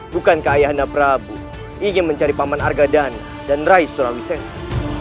bukan keayah anda prabu ingin mencari paman argadana dan rai surawisensi